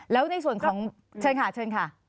แล้วในส่วนของเชิญค่ะ